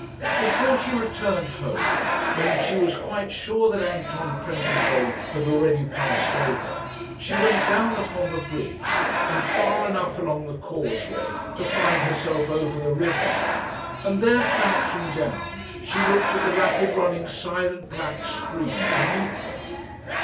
Before she returned home, when she was quite sure that Anton Trendellsohn had already passed over, she went down upon the bridge, and far enough along the causeway to find herself over the river, and there, crouching down, she looked at the rapid running silent black stream beneath her.